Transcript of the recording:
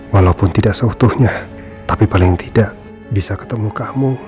walaupun tidak seutuhnya tapi paling tidak bisa ketemu kamu